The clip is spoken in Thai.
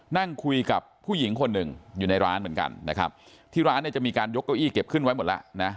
นั่งคุยกับผู้หญิงคนหนึ่งอยู่ในร้านเหมือนกันนะครับที่ร้านเนี่ยจะมีการยกเก้าอี้เก็บขึ้นไว้หมดแล้วนะ